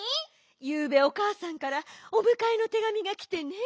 ゆうべおかあさんからおむかえのてがみがきてね。